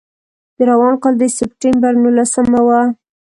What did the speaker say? د روان کال د سپټمبر نولسمه وه.